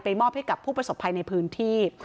มอบให้กับผู้ประสบภัยในพื้นที่